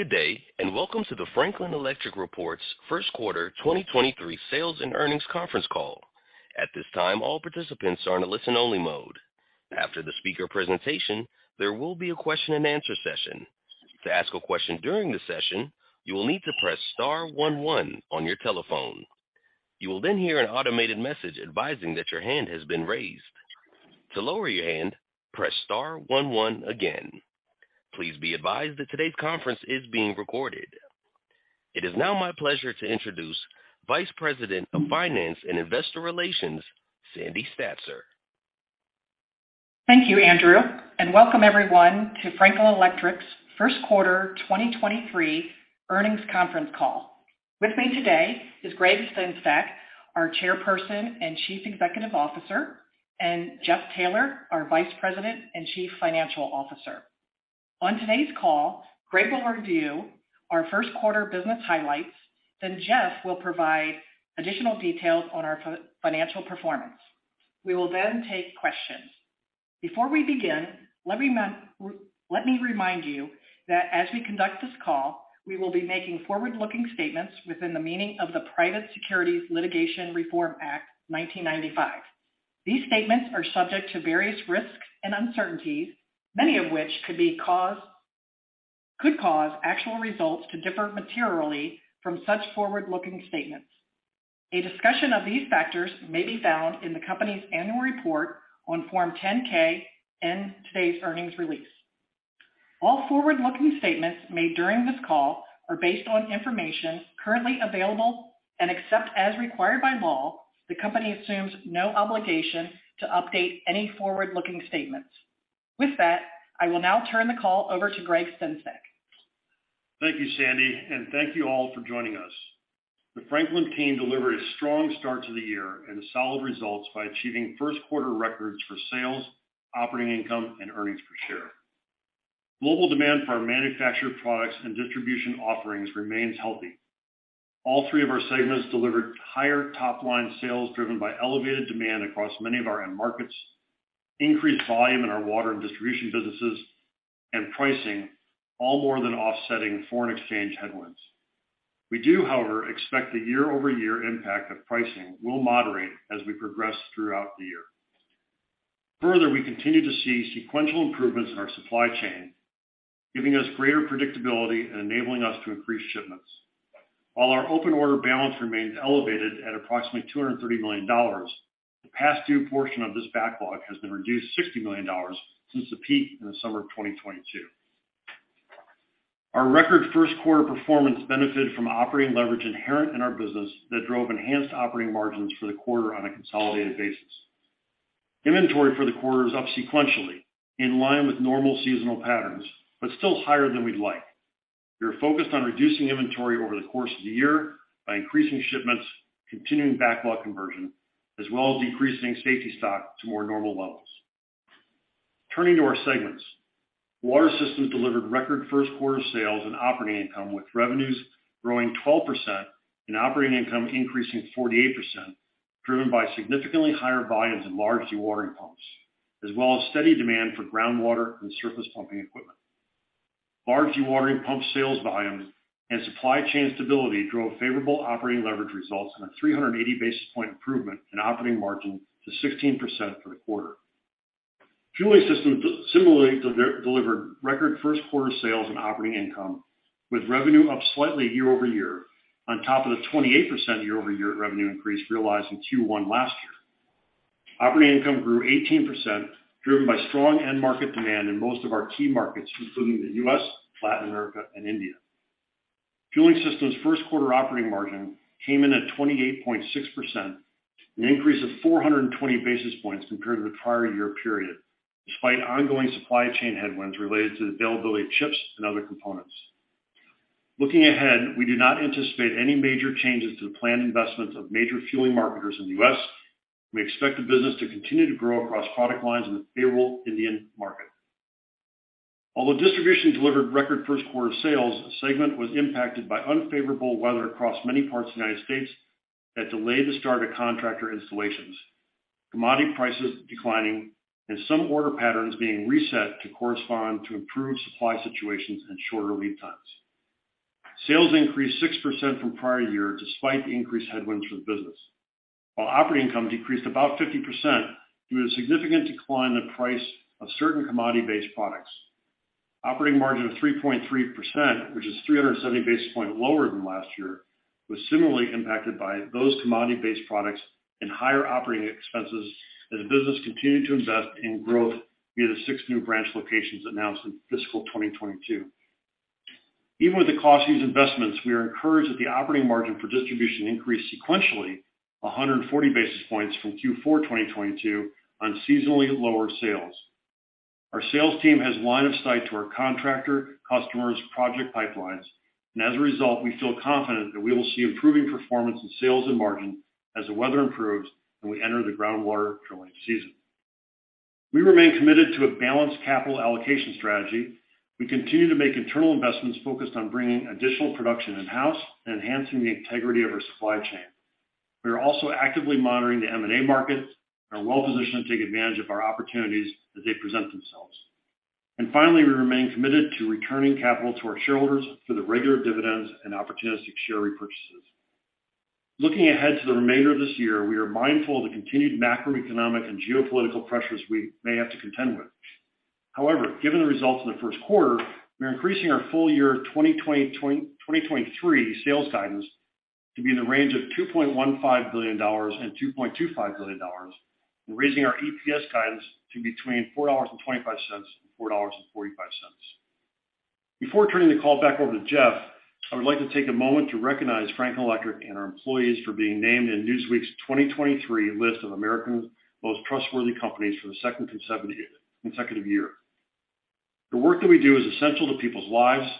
Good day. Welcome to the Franklin Electric reports first quarter 2023 sales and earnings conference call. At this time, all participants are in a listen-only mode. After the speaker presentation, there will be a question-and-answer session. To ask a question during the session, you will need to press star one on your telephone. You will hear an automated message advising that your hand has been raised. To lower your hand, press star one one again. Please be advised that today's conference is being recorded. It is now my pleasure to introduce Vice President of Finance and Investor Relations, Sandy Statzer. Thank you, Andrew. Welcome everyone to Franklin Electric's first quarter 2023 earnings conference call. With me today is Gregg Sengstack, our Chairperson and Chief Executive Officer, and Jeff Taylor, our Vice President and Chief Financial Officer. On today's call, Greg will review our first quarter business highlights, then Jeff will provide additional details on our financial performance. We will then take questions. Before we begin, let me remind you that as we conduct this call, we will be making forward-looking statements within the meaning of the Private Securities Litigation Reform Act 1995. These statements are subject to various risks and uncertainties, many of which could cause actual results to differ materially from such forward-looking statements. A discussion of these factors may be found in the company's annual report on Form 10-K and today's earnings release. All forward-looking statements made during this call are based on information currently available, and except as required by law, the company assumes no obligation to update any forward-looking statements. With that, I will now turn the call over to Gregg Sengstack. Thank you, Sandy, and thank you all for joining us. The Franklin team delivered a strong start to the year and solid results by achieving first quarter records for sales, operating income, and earnings per share. Global demand for our manufactured products and distribution offerings remains healthy. All three of our segments delivered higher top-line sales driven by elevated demand across many of our end markets, increased volume in our water and distribution businesses, and pricing, all more than offsetting foreign exchange headwinds. We do, however, expect the year-over-year impact of pricing will moderate as we progress throughout the year. Further, we continue to see sequential improvements in our supply chain, giving us greater predictability and enabling us to increase shipments. While our open order balance remains elevated at approximately $230 million, the past due portion of this backlog has been reduced $60 million since the peak in the summer of 2022. Our record first quarter performance benefited from operating leverage inherent in our business that drove enhanced operating margins for the quarter on a consolidated basis. Inventory for the quarter is up sequentially in line with normal seasonal patterns, but still higher than we'd like. We are focused on reducing inventory over the course of the year by increasing shipments, continuing backlog conversion, as well as decreasing safety stock to more normal levels. Turning to our segments. Water Systems delivered record first quarter sales and operating income, with revenues growing 12% and operating income increasing 48%, driven by significantly higher volumes in large dewatering pumps, as well as steady demand for groundwater and surface pumping equipment. Large dewatering pump sales volumes and supply chain stability drove favorable operating leverage results and a 380 basis point improvement in operating margin to 16% for the quarter. Fueling Systems similarly delivered record first quarter sales and operating income, with revenue up slightly year-over-year on top of the 28% year-over-year revenue increase realized in Q1 last year. Operating income grew 18%, driven by strong end market demand in most of our key markets, including the U.S., Latin America, and India. Fueling Systems first quarter operating margin came in at 28.6%, an increase of 420 basis points compared to the prior year period, despite ongoing supply chain headwinds related to the availability of chips and other components. Looking ahead, we do not anticipate any major changes to the planned investments of major fueling marketers in the U.S. We expect the business to continue to grow across product lines in the favorable Indian market. Distribution delivered record first quarter sales, the segment was impacted by unfavorable weather across many parts of the United States that delayed the start of contractor installations, commodity prices declining, and some order patterns being reset to correspond to improved supply situations and shorter lead times. Sales increased 6% from prior year despite the increased headwinds for the business. Operating income decreased about 50% due to a significant decline in the price of certain commodity-based products. Operating margin of 3.3%, which is 370 basis points lower than last year, was similarly impacted by those commodity-based products and higher operating expenses as the business continued to invest in growth via the six new branch locations announced in fiscal 2022. Even with the cost of these investments, we are encouraged that the operating margin for Distribution increased sequentially 140 basis points from Q4, 2022 on seasonally lower sales. Our sales team has line of sight to our contractor, customers, project pipelines, and as a result, we feel confident that we will see improving performance in sales and margin as the weather improves and we enter the groundwater drilling season. We remain committed to a balanced capital allocation strategy. We continue to make internal investments focused on bringing additional production in-house and enhancing the integrity of our supply chain. We are also actively monitoring the M&A markets and are well-positioned to take advantage of our opportunities as they present themselves. Finally, we remain committed to returning capital to our shareholders through the regular dividends and opportunistic share repurchases. Looking ahead to the remainder of this year, we are mindful of the continued macroeconomic and geopolitical pressures we may have to contend with. However, given the results in the first quarter, we are increasing our full-year 2023 sales guidance to be in the range of $2.15 billion-$2.25 billion, and raising our EPS guidance to between $4.25 and $4.45. Before turning the call back over to Jeff, I would like to take a moment to recognize Franklin Electric and our employees for being named in Newsweek's 2023 list of America's Most Trustworthy Companies for the second consecutive year. The work that we do is essential to people's lives,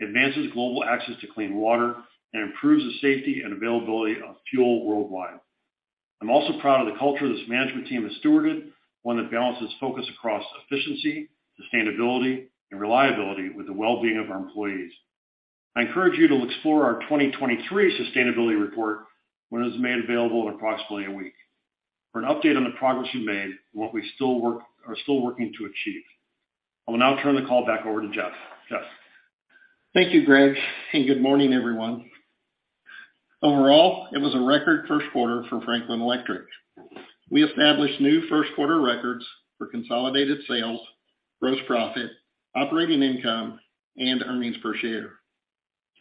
advances global access to clean water, and improves the safety and availability of fuel worldwide. I'm also proud of the culture this management team has stewarded, one that balances focus across efficiency, sustainability, and reliability with the well-being of our employees. I encourage you to explore our 2023 sustainability report when it is made available in approximately a week for an update on the progress we've made and what we are still working to achieve. I will now turn the call back over to Jeff. Jeff? Thank you, Gregg. Good morning, everyone. Overall, it was a record first quarter for Franklin Electric. We established new first-quarter records for consolidated sales, gross profit, operating income, and earnings per share.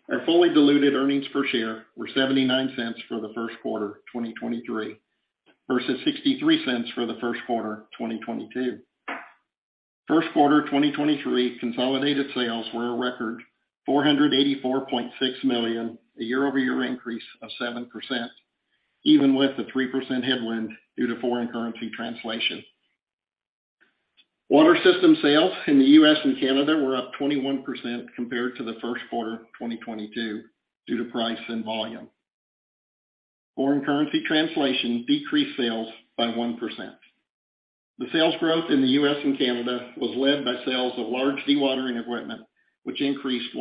Our fully diluted earnings per share were $0.79 for the first quarter of 2023 versus $0.63 for the first quarter of 2022. First quarter of 2023 consolidated sales were a record $484.6 million, a year-over-year increase of 7%, even with the 3% headwind due to foreign currency translation. Water Systems sales in the U.S. and Canada were up 21% compared to the first quarter of 2022 due to price and volume. Foreign currency translation decreased sales by 1%. The sales growth in the U.S. and Canada was led by sales of large dewatering equipment, which increased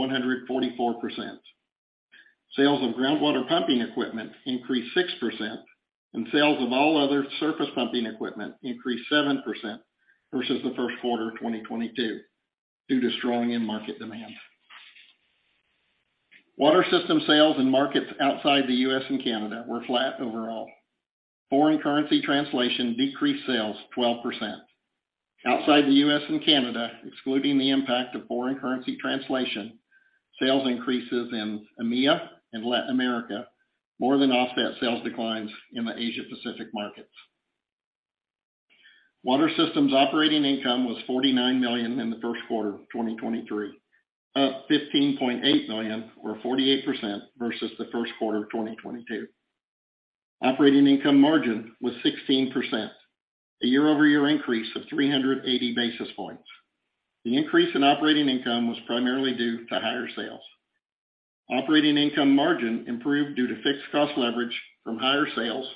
144%. Sales of groundwater pumping equipment increased 6%, and sales of all other surface pumping equipment increased 7% versus the first quarter of 2022 due to strong end market demand. Water Systems sales in markets outside the U.S. and Canada were flat overall. Foreign currency translation decreased sales 12%. Outside the U.S. and Canada, excluding the impact of foreign currency translation, sales increases in EMEA and Latin America more than offset sales declines in the Asia-Pacific markets. Water Systems operating income was $49 million in the first quarter of 2023, up $15.8 million or 48% versus the first quarter of 2022. Operating income margin was 16%, a year-over-year increase of 380 basis points. The increase in operating income was primarily due to higher sales. Operating income margin improved due to fixed cost leverage from higher sales,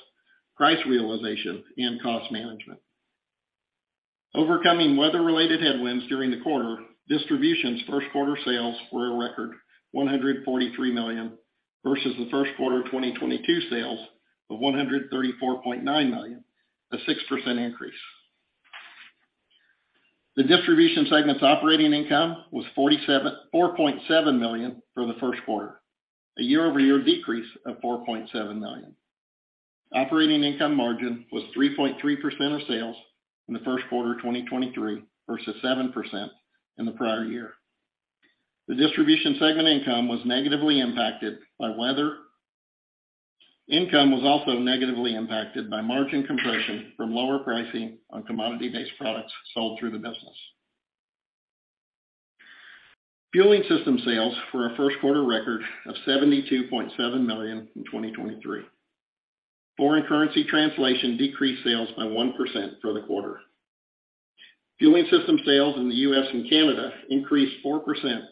price realization and cost management. Overcoming weather-related headwinds during the quarter, Distribution's first quarter sales were a record $143 million versus the first quarter of 2022 sales of $134.9 million, a 6% increase. The Distribution segment's operating income was $4.7 million for the first quarter, a year-over-year decrease of $4.7 million. Operating income margin was 3.3% of sales in the first quarter of 2023 versus 7% in the prior year. The Distribution segment income was negatively impacted by weather. Income was also negatively impacted by margin compression from lower pricing on commodity-based products sold through the business. Fueling Systems sales for a first quarter record of $72.7 million in 2023. Foreign currency translation decreased sales by 1% for the quarter. Fueling Systems sales in the U.S. and Canada increased 4%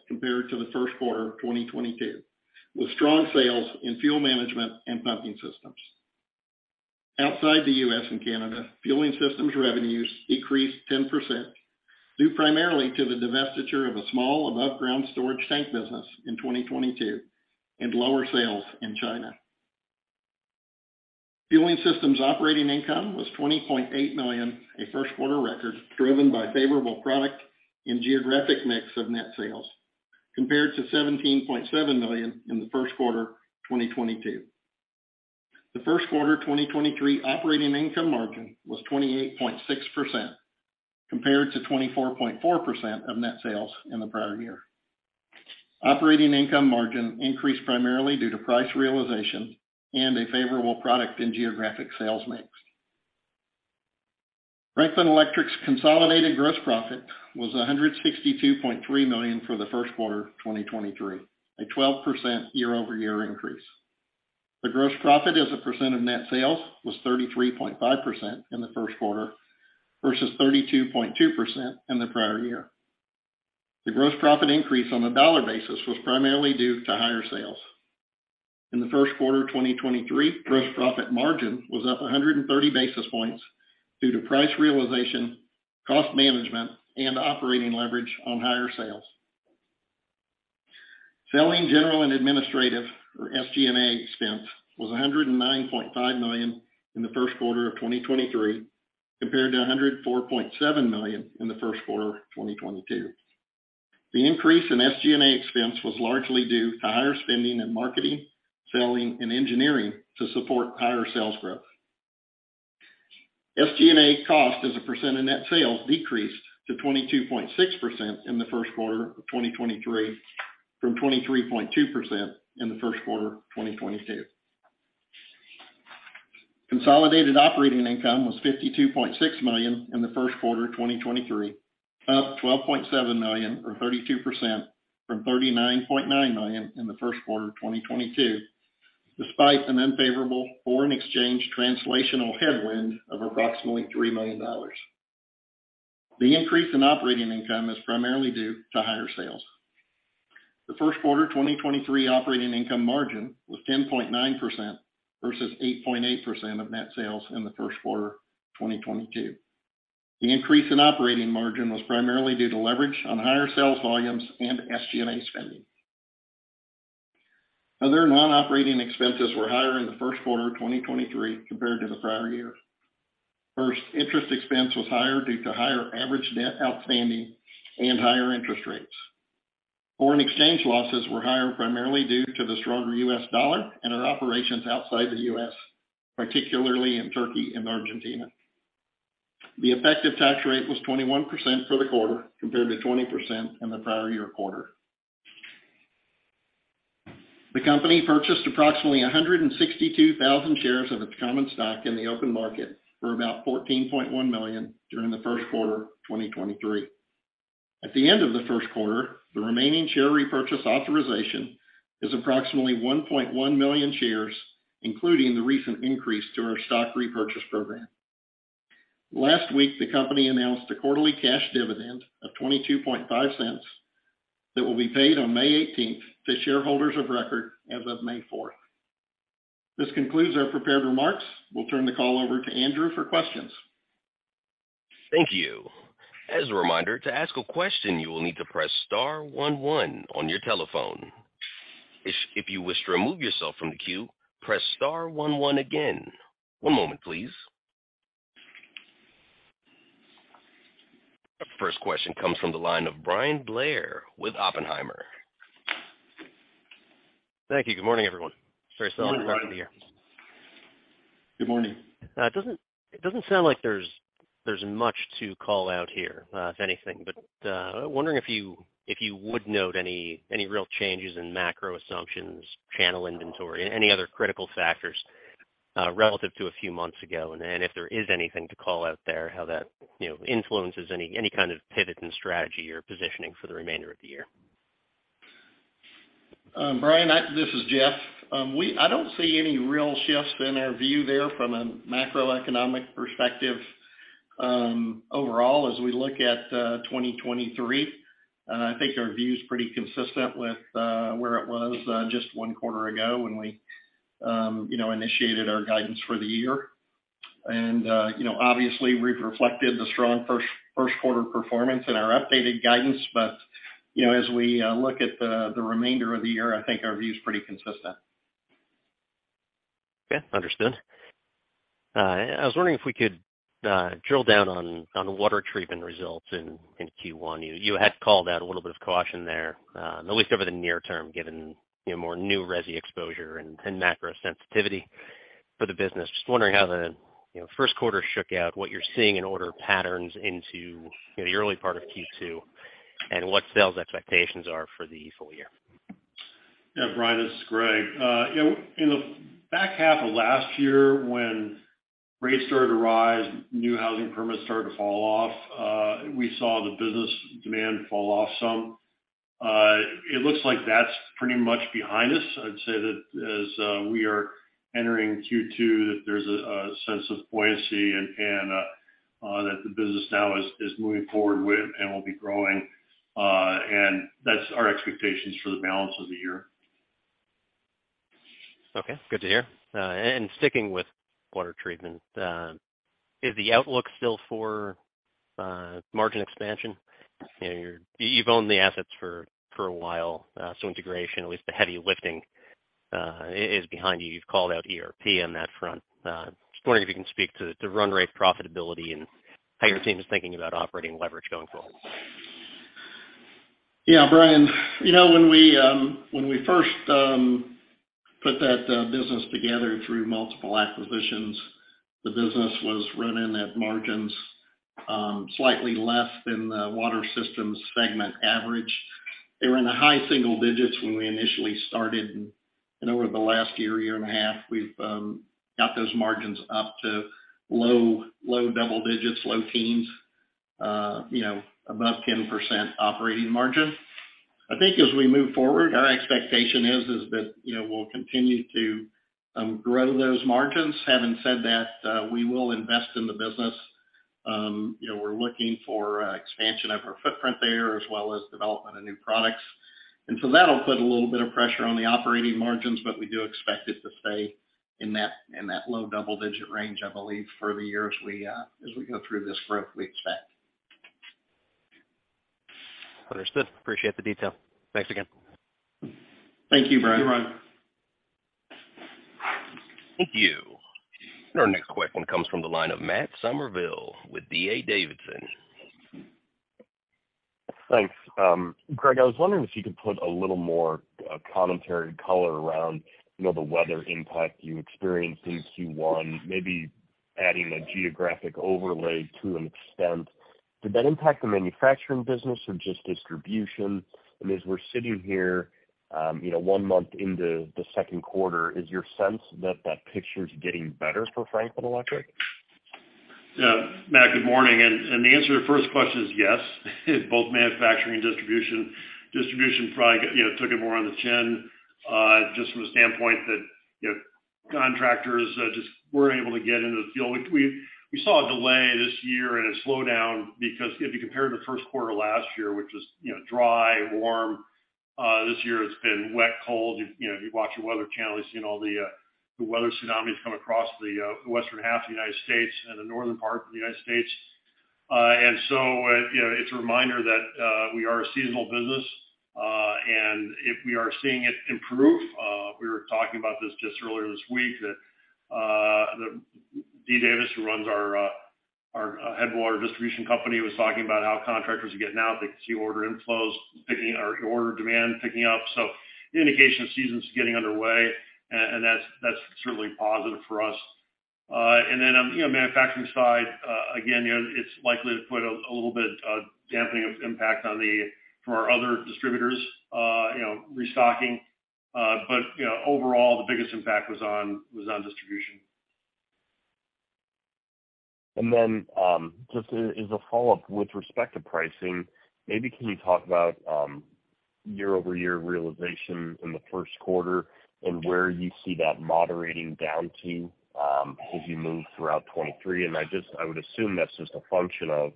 compared to the first quarter of 2022, with strong sales in fuel management and pumping systems. Outside the U.S. and Canada, Fueling Systems revenues decreased 10%, due primarily to the divestiture of a small aboveground storage tank business in 2022 and lower sales in China. Fueling Systems operating income was $20.8 million, a first-quarter record driven by favorable product and geographic mix of net sales, compared to $17.7 million in the first quarter of 2022. The first quarter of 2023 operating income margin was 28.6% compared to 24.4% of net sales in the prior year. Operating income margin increased primarily due to price realization and a favorable product in geographic sales mix. Franklin Electric's consolidated gross profit was $162.3 million for the first quarter of 2023, a 12% year-over-year increase. The gross profit as a percent of net sales was 33.5% in the first quarter versus 32.2% in the prior year. The gross profit increase on a dollar basis was primarily due to higher sales. In the first quarter of 2023, gross profit margin was up 130 basis points due to price realization, cost management, and operating leverage on higher sales. Selling General and Administrative or SG&A expense was $109.5 million in the first quarter of 2023, compared to $104.7 million in the first quarter of 2022. The increase in SG&A expense was largely due to higher spending in marketing, selling, and engineering to support higher sales growth. SG&A cost as a % of net sales decreased to 22.6% in the first quarter of 2023, from 23.2% in the first quarter of 2022. Consolidated operating income was $52.6 million in the first quarter of 2023, up $12.7 million or 32% from $39.9 million in the first quarter of 2022, despite an unfavorable foreign exchange translational headwind of approximately $3 million. The increase in operating income is primarily due to higher sales. The first quarter of 2023 operating income margin was 10.9% versus 8.8% of net sales in the first quarter of 2022. The increase in operating margin was primarily due to leverage on higher sales volumes and SG&A spending. Other non-operating expenses were higher in the first quarter of 2023 compared to the prior year. Interest expense was higher due to higher average debt outstanding and higher interest rates. Foreign exchange losses were higher primarily due to the stronger U.S. dollar and our operations outside the U.S., particularly in Turkey and Argentina. The effective tax rate was 21% for the quarter, compared to 20% in the prior year quarter. The company purchased approximately 162,000 shares of its common stock in the open market for about $14.1 million during the first quarter of 2023. At the end of the first quarter, the remaining share repurchase authorization is approximately 1.1 million shares, including the recent increase to our stock repurchase program. Last week, the company announced a quarterly cash dividend of $0.225 that will be paid on May 18th to shareholders of record as of May 4th. This concludes our prepared remarks. We'll turn the call over to Andrew for questions. Thank you. As a reminder, to ask a question, you will need to press star one one on your telephone. If you wish to remove yourself from the queue, press star one one again. One moment, please. Our first question comes from the line of Bryan Blair with Oppenheimer. Thank you. Good morning, everyone. Very solid quarter year. Good morning. It doesn't sound like there's much to call out here, if anything. Wondering if you would note any real changes in macro assumptions, channel inventory, any other critical factors, relative to a few months ago? If there is anything to call out there, how that, you know, influences any kind of pivot and strategy or positioning for the remainder of the year. Bryan, this is Jeff. I don't see any real shifts in our view there from a macroeconomic perspective, overall as we look at 2023. I think our view is pretty consistent with where it was just one quarter ago when we, you know, initiated our guidance for the year. You know, obviously we've reflected the strong first quarter performance in our updated guidance. You know, as we look at the remainder of the year, I think our view is pretty consistent. Okay, understood. I was wondering if we could drill down on water treatment results in Q1. You, you had called out a little bit of caution there, at least over the near term, given, you know, more new resi exposure and macro sensitivity for the business. Just wondering how the, you know, first quarter shook out, what you're seeing in order patterns into, you know, the early part of Q2, and what sales expectations are for the full year. Yeah. Bryan, this is Gregg. You know, in the back half of last year when rates started to rise, new housing permits started to fall off, we saw the business demand fall off some. It looks like that's pretty much behind us. I'd say that as we are entering Q2, that there's a sense of buoyancy and, that the business now is moving forward with and will be growing. That's our expectations for the balance of the year. Okay, good to hear. Sticking with water treatment, is the outlook still for margin expansion? You know, you've owned the assets for a while, integration, at least the heavy lifting, is behind you. You've called out ERP on that front. Just wondering if you can speak to run rate profitability and how your team is thinking about operating leverage going forward. Yeah, Brian. You know, when we, when we first, put that business together through multiple acquisitions, the business was running at margins, slightly less than the Water Systems segment average. They were in the high single digits when we initially started, and over the last year and a half, we've got those margins up to low, low double digits, low teens, you know, above 10% operating margin. I think as we move forward, our expectation is that, you know, we'll continue to grow those margins. Having said that, we will invest in the business. You know, we're looking for expansion of our footprint there, as well as development of new products. That'll put a little bit of pressure on the operating margins, but we do expect it to stay in that, in that low double-digit range, I believe, for the year as we as we go through this growth we expect. Understood. Appreciate the detail. Thanks again. Thank you, Bryan. Thank you, Bryan. Thank you. Our next question comes from the line of Matt Summerville with D.A. Davidson. Thanks. Gregg, I was wondering if you could put a little more commentary color around, you know, the weather impact you experienced in Q1, maybe adding a geographic overlay to an extent. Did that impact the manufacturing business or just Distribution? As we're sitting here, you know, one month into the second quarter, is your sense that that picture is getting better for Franklin Electric? Yeah. Matt, good morning. The answer to your first question is yes, both Manufacturing and Distribution. Distribution probably you know, took it more on the chin, just from the standpoint that, you know, contractors, just weren't able to get into the field. We saw a delay this year and a slowdown because if you compare it to first quarter last year, which was, you know, dry, warm, this year it's been wet, cold. You know, if you watch the weather channel, you've seen all the weather tsunamis come across the Western half of the United States and the northern part of the United States. So, you know, it's a reminder that we are a seasonal business. If we are seeing it improve, we were talking about this just earlier this week that Dee Davis, who runs our Headwater Distribution company, was talking about how contractors are getting out. They can see order inflows picking or order demand picking up. Indication of season's getting underway. That's certainly positive for us. Then on, you know, manufacturing side, again, you know, it's likely to put a little bit of dampening impact from our other distributors, you know, restocking. You know, overall, the biggest impact was on Distribution. Just a, as a follow-up with respect to pricing, maybe can you talk about year-over-year realization in the first quarter and where you see that moderating down to as you move throughout 2023? I would assume that's just a function of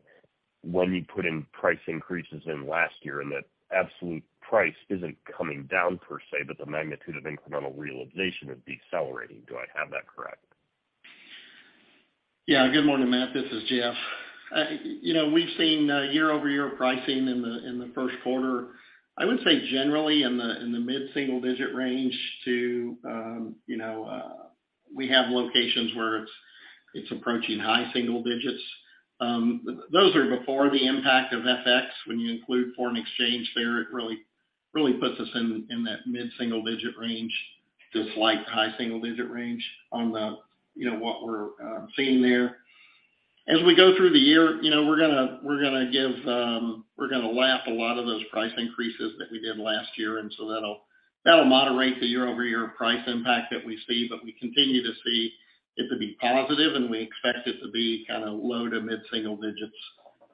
when you put in price increases in last year, and that absolute price isn't coming down per se, but the magnitude of incremental realization is decelerating. Do I have that correct? Good morning, Matt. This is Jeff. you know, we've seen year-over-year pricing in the first quarter, I would say generally in the mid-single-digit range to, you know, we have locations where it's approaching high-single-digits. Those are before the impact of FX. When you include foreign exchange there, it really puts us in that mid-single-digit range to slight high-single-digit range on the, you know, what we're seeing there. As we go through the year, you know, we're gonna give, we're gonna lap a lot of those price increases that we did last year, that'll moderate the year-over-year price impact that we see. We continue to see it to be positive, and we expect it to be kind of low to mid-single digits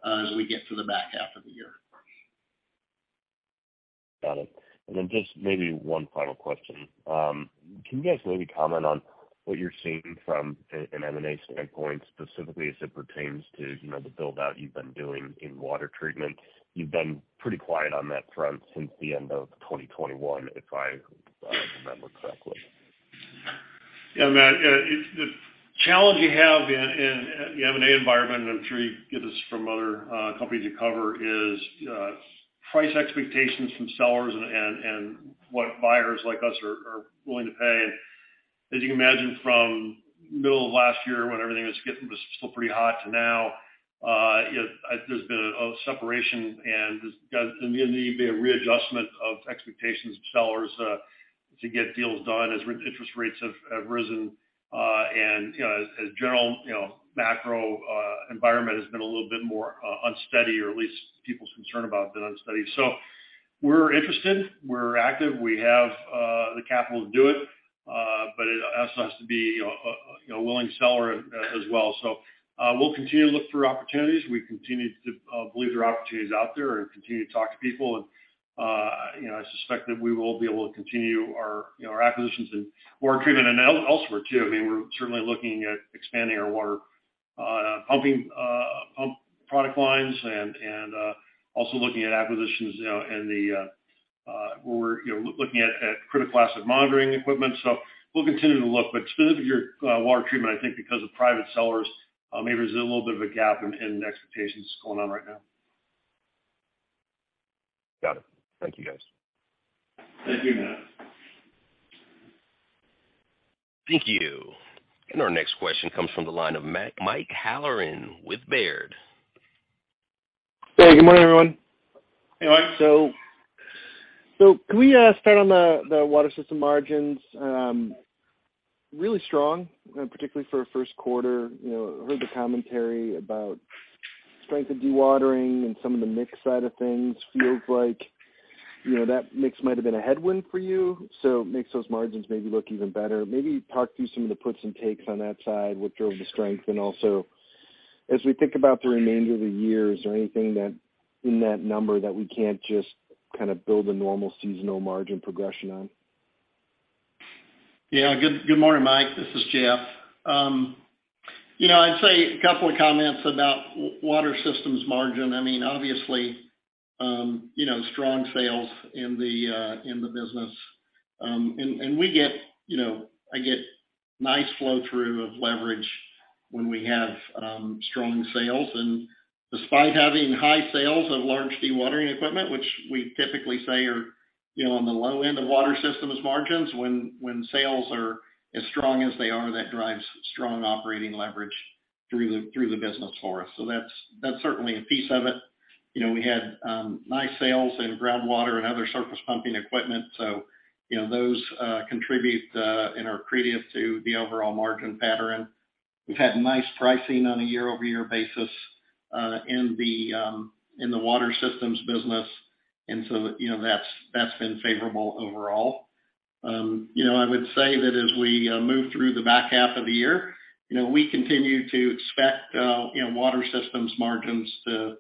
as we get to the back half of the year. Got it. Then just maybe one final question. Can you guys maybe comment on what you're seeing from an M&A standpoint, specifically as it pertains to, you know, the build-out you've been doing in water treatment? You've been pretty quiet on that front since the end of 2021, if I remember correctly. Yeah, Matt, the challenge you have in the M&A environment, I'm sure you get this from other companies you cover, is price expectations from sellers and what buyers like us are willing to pay. As you can imagine, from middle of last year when everything was still pretty hot to now, you know, there's been a separation and there's gonna need be a readjustment of expectations of sellers to get deals done as interest rates have risen. You know, as general, you know, macro environment has been a little bit more unsteady or at least people's concern about the unsteady. We're interested, we're active. We have the capital to do it. It also has to be, you know, a, you know, a willing seller as well. We'll continue to look for opportunities. We continue to believe there are opportunities out there and continue to talk to people. You know, I suspect that we will be able to continue our, you know, our acquisitions in water treatment and elsewhere too. I mean, we're certainly looking at expanding our water pumping pump product lines and also looking at acquisitions, you know, in the, we're, you know, looking at critical asset monitoring equipment. We'll continue to look. Specifically your water treatment, I think because of private sellers, maybe there's a little bit of a gap in expectations going on right now. Got it. Thank you, guys. Thank you, Matt. Thank you. Our next question comes from the line of Mike Halloran with Baird. Hey, good morning, everyone. Hey, Mike. Can we start on the Water Systems margins? Really strong, particularly for a first quarter. You know, heard the commentary about strength of dewatering and some of the mix side of things. Feels like, you know, that mix might have been a headwind for you, so makes those margins maybe look even better. Maybe talk through some of the puts and takes on that side, what drove the strength. Also as we think about the remainder of the year, is there anything in that number that we can't just kind of build a normal seasonal margin progression on? Yeah. Good morning, Mike. This is Jeff. you know, I'd say a couple of comments about Water Systems margin. I mean, obviously. You know, strong sales in the business. And we get, you know, I get nice flow through of leverage when we have strong sales. Despite having high sales of large dewatering equipment, which we typically say are, you know, on the low end of Water Systems margins, when sales are as strong as they are, that drives strong operating leverage through the business for us. That's, that's certainly a piece of it. You know, we had nice sales in groundwater and other surface pumping equipment. You know, those contribute in our accretive to the overall margin pattern. We've had nice pricing on a year-over-year basis in the Water Systems business. You know, that's been favorable overall. You know, I would say that as we move through the back half of the year, we continue to expect Water Systems margins to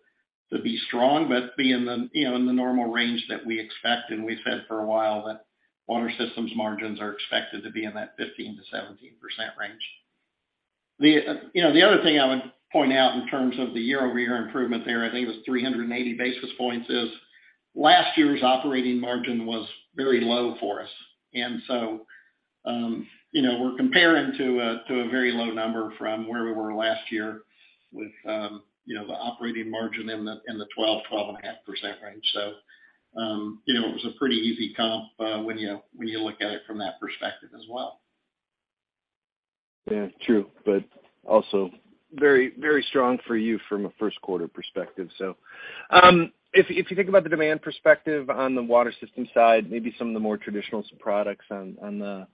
be strong, but be in the normal range that we expect. We said for a while that Water Systems margins are expected to be in that 15%-17% range. The other thing I would point out in terms of the year-over-year improvement there, I think it was 380 basis points, is last year's operating margin was very low for us. We're comparing to a very low number from where we were last year with the operating margin in the 12%-12.5% range. You know, it was a pretty easy comp, when you, when you look at it from that perspective as well. Yeah. True, also very, very strong for you from a first quarter perspective. If you think about the demand perspective on the Water Systems side, maybe some of the more traditional products on the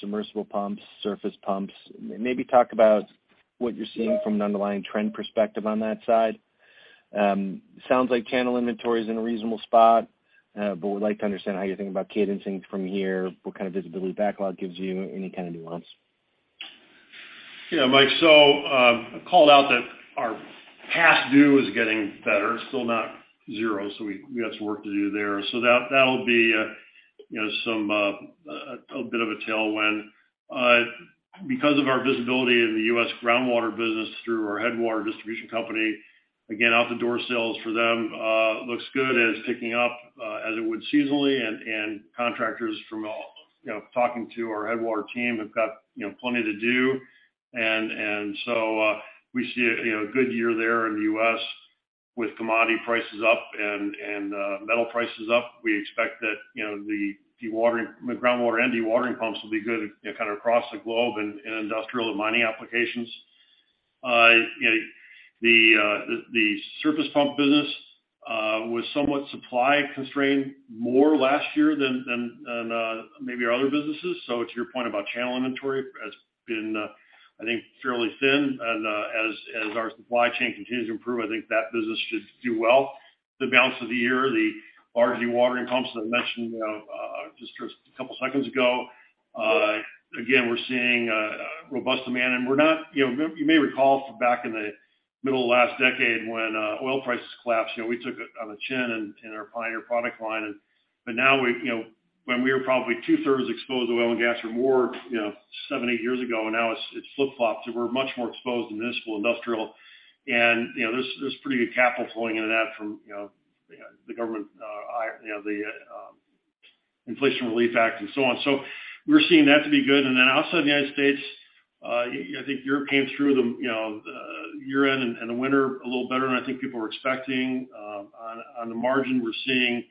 submersible pumps, surface pumps, maybe talk about what you're seeing from an underlying trend perspective on that side. Sounds like channel inventory is in a reasonable spot, we'd like to understand how you're thinking about cadencing from here, what kind of visibility backlog gives you, any kind of nuance. Yeah, Mike. I called out that our past due is getting better, still not zero, so we got some work to do there. That'll be a, you know, some, a bit of a tailwind. Because of our visibility in the U.S. Groundwater business through our Headwater Distribution Company, again, out the door sales for them, looks good and is picking up as it would seasonally. Contractors from all, you know, talking to our Headwater team, have got, you know, plenty to do. We see a, you know, a good year there in the U.S. with commodity prices up and metal prices up. We expect that, you know, the groundwater and dewatering pumps will be good, you know, kind of across the globe in industrial and mining applications. You know, the surface pump business was somewhat supply constrained more last year than maybe our other businesses. To your point about channel inventory has been, I think, fairly thin. As our supply chain continues to improve, I think that business should do well. The balance of the year, the large dewatering pumps that I mentioned, you know, just a couple seconds ago, again, we're seeing robust demand. We're not, you know, you may recall from back in the middle of last decade when oil prices collapsed, you know, we took it on the chin in our Pioneer product line. Now we, you know, when we were probably two-thirds exposed to oil and gas or more, you know, seven, eight years ago, and now it's flip-flopped. We're much more exposed to municipal industrial. You know, there's pretty good capital flowing into that from, you know, the government, you know, the Inflation Reduction Act and so on. We're seeing that to be good. Outside the United States, I think Europe came through the, you know, the year end and the winter a little better than I think people were expecting. On, on the margin, we're seeing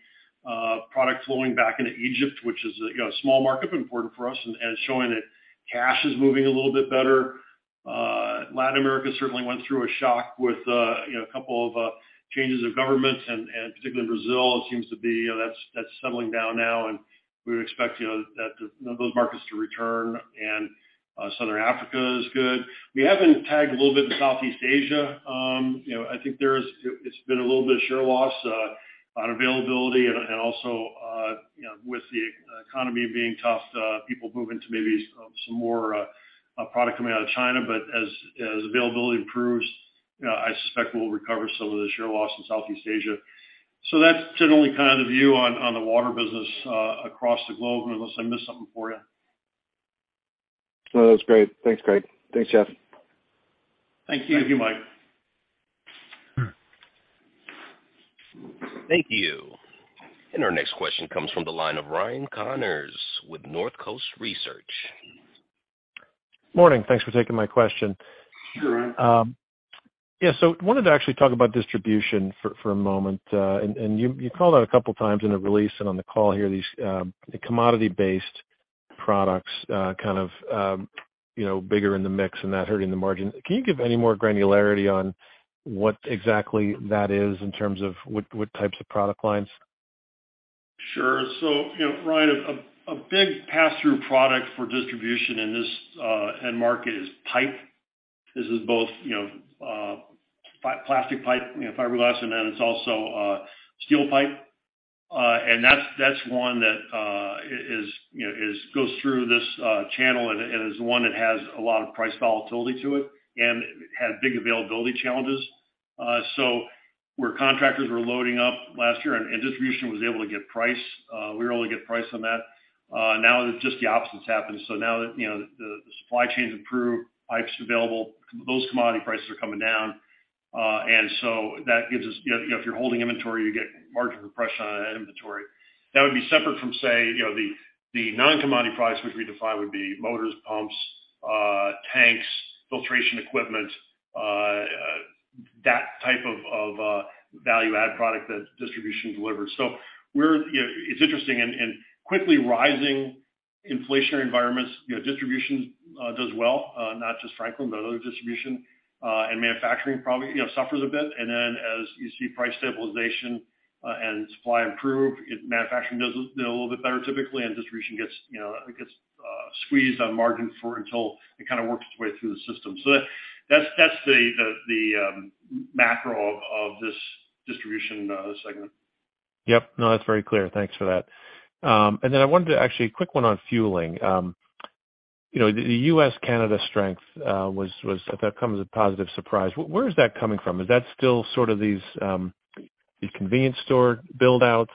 product flowing back into Egypt, which is, you know, a small market, but important for us and showing that cash is moving a little bit better. Latin America certainly went through a shock with, you know, a couple of changes of governments and particularly Brazil seems to be, you know, that's settling down now. We would expect, you know, that the, you know, those markets to return. Southern Africa is good. We have been tagged a little bit in Southeast Asia. You know, I think it's been a little bit of share loss on availability and also, you know, with the economy being tough, people moving to maybe, some more product coming out of China. As, as availability improves, you know, I suspect we'll recover some of the share loss in Southeast Asia. That's generally kind of the view on the Water Systems business across the globe, unless I missed something for you. No, that's great. Thanks, Craig. Thanks, Jeff. Thank you, Mike. Thank you. Our next question comes from the line of Ryan Connors with Northcoast Research. Morning. Thanks for taking my question. Sure, Ryan. Yeah, wanted to actually talk about Distribution for a moment. You called out a couple of times in the release and on the call here, these, the commodity-based products, kind of, you know, bigger in the mix and that hurting the margin. Can you give any more granularity on what exactly that is in terms of what types of product lines? Sure. You know, Ryan, a big pass-through product for Distribution in this end market is pipe. This is both, you know, plastic pipe, you know, fiberglass, and then it's also steel pipe. That's, that's one that, you know, goes through this channel and is one that has a lot of price volatility to it and had big availability challenges. Where contractors were loading up last year and Distribution was able to get price, we were able to get price on that. Now just the opposite is happening. Now that, you know, the supply chains improve, pipe's available, those commodity prices are coming down. That gives us, you know, if you're holding inventory, you get margin compression on that inventory. That would be separate from, say, the non-commodity products which we define would be motors, pumps, tanks, filtration equipment, that type of value-add product that distribution delivers. It's interesting and quickly rising inflationary environments, distribution does well, not just Franklin, but other distribution. Manufacturing probably suffers a bit. As you see price stabilization and supply improve, manufacturing does a little bit better typically, and distribution gets squeezed on margin for until it kind of works its way through the system. That's the macro of this Distribution segment. Yep. No, that's very clear. Thanks for that. Actually a quick one on fueling. You know, the U.S.-Canada strength was, I thought, come as a positive surprise. Where is that coming from? Is that still sort of these, the convenience store build outs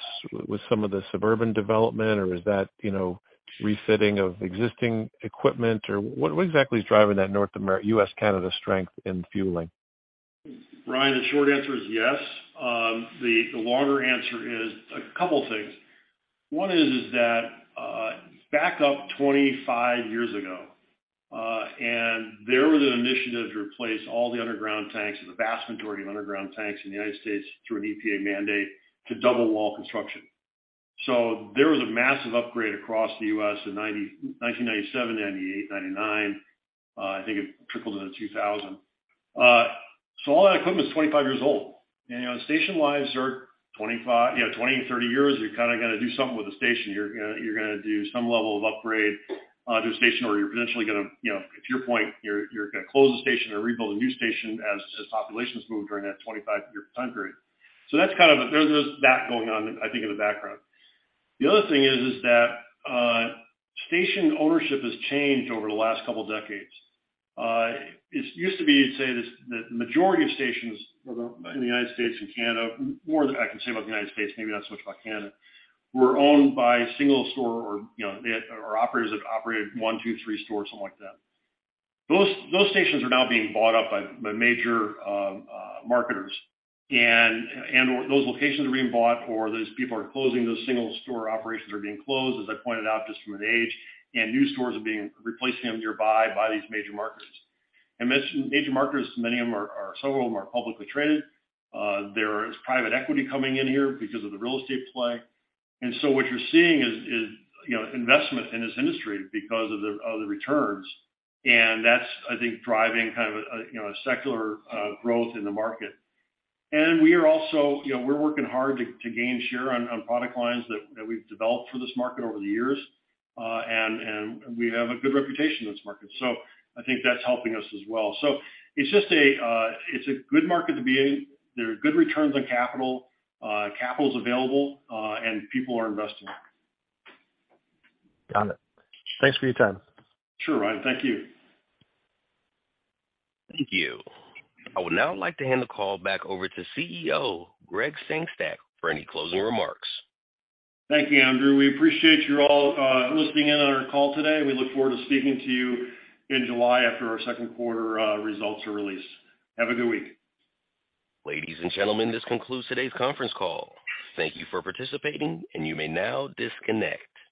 with some of the suburban development, or is that, you know, refitting of existing equipment, or what exactly is driving that North American U.S., Canada strength in fueling? Ryan, the short answer is yes. The longer answer is a couple of things. One is that, back up 25 years ago, there was an initiative to replace all the underground tanks, the vast majority of underground tanks in the United States through an EPA mandate to double wall construction. There was a massive upgrade across the US in 1997, 1998, 1999. I think it tripled in 2000. All that equipment is 25 years old. You know, station-wise are 25 years, you know, 20 years, 30 years, you kind of got to do something with the station. You're gonna do some level of upgrade to the station, or you're potentially gonna, you know, to your point, you're gonna close the station or rebuild a new station as populations move during that 25-year time period. That's kind of. There's that going on, I think, in the background. The other thing is that station ownership has changed over the last couple of decades. It used to be, say, the majority of stations in the United States and Canada, more I can say about the United States, maybe not so much about Canada, were owned by single store or, you know, or operators that operated 1, 2, 3 stores, something like that. Those stations are now being bought up by major marketers. Those locations are being bought or those people are closing, those single store operations are being closed, as I pointed out, just from an age, and new stores are being replaced nearby by these major marketers. These major marketers, many of them are several of them are publicly traded. There is private equity coming in here because of the real estate play. What you're seeing is, you know, investment in this industry because of the returns. That's, I think, driving kind of a, you know, a secular growth in the market. We are also, you know, we're working hard to gain share on product lines that we've developed for this market over the years. We have a good reputation in this market. I think that's helping us as well. It's just a good market to be in. There are good returns on capital. Capital is available, and people are investing. Got it. Thanks for your time. Sure, Ryan. Thank you. Thank you. I would now like to hand the call back over to CEO Gregg Sengstack for any closing remarks. Thank you, Andrew. We appreciate you all, listening in on our call today. We look forward to speaking to you in July after our second quarter, results are released. Have a good week. Ladies and gentlemen, this concludes today's conference call. Thank you for participating, you may now disconnect.